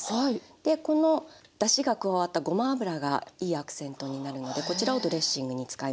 でこのだしが加わったごま油がいいアクセントになるのでこちらをドレッシングに使います。